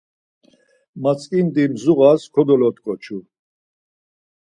Matzǩindi zuğas kodolot̆ǩoçu.